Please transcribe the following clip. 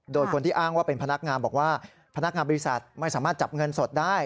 โดยคนที่อ้างว่าเป็นพนักงานบอกว่าพนักงานบริษัทไม่สามารถจับเงินสดได้